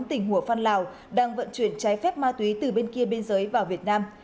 tỉnh hủa phan lào đang vận chuyển trái phép ma túy từ bên kia biên giới vào việt nam